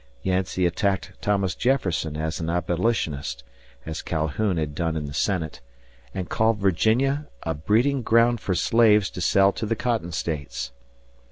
Yancey attacked Thomas Jefferson as an abolitionist, as Calhoun had done in the Senate, and called Virginia a breeding ground for slaves to sell to the Cotton States.